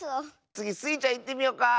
つぎスイちゃんいってみよか！